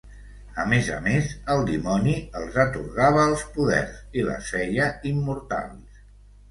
A més a més, el dimoni els atorgava els poders i les feia immortals.